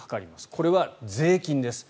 これは税金です。